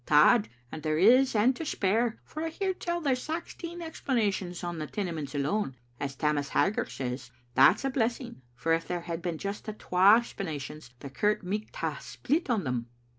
" Tod, and there is and to spare, for I hear tell there's saxteen explanations in the Tenements alone. As Tammas Haggart says, that's a blessing, for if there had just been twa explana tions the kirk micht hae split on them.